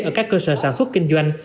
ở các cơ sở sản xuất kinh doanh